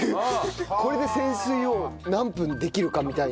これで潜水を何分できるかみたいな。